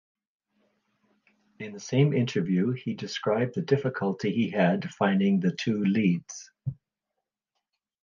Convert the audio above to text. In the same interview, he described the difficulty he had finding the two leads.